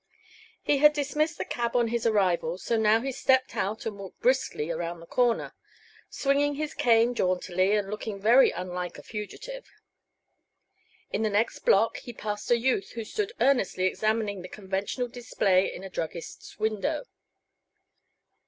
He had dismissed the cab on his arrival, so now he stepped out and walked briskly around the corner, swinging his cane jauntily and looking very unlike a fugitive. In the next block he passed a youth who stood earnestly examining the conventional display in a druggist's window.